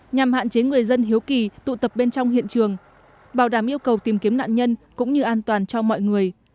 nhằm hạn chế người dân hiếu kỳ tụ tập bên trong hiện trường bảo đảm yêu cầu tìm kiếm nạn nhân cũng như an toàn cho mọi người